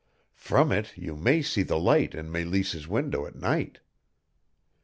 From it you may see the light in Meleese's window at night."